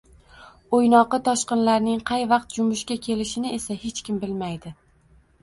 O`ynoqi toshqinlarning qay vaqt jumbushga kelishini esa hech kim bilmaydi